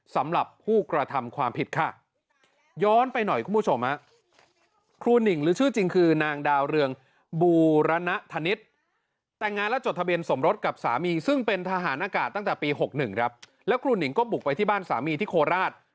ซึ่งเป็นทหารอากาศตั้งปี๖หนึ่งแล้วก็บุกไปในบ้านสามีที่โคลาถ